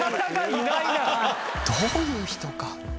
どういう人か。